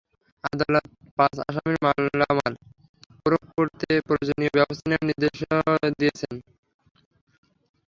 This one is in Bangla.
আদালত পাঁচ আসামির মালামাল ক্রোক করতে প্রয়োজনীয় ব্যবস্থা নেওয়ার নির্দেশ দিয়েছেন।